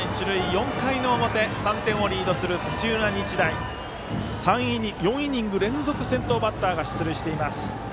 ４回の表、３点をリードする土浦日大、４イニング連続先頭バッターが出塁しています。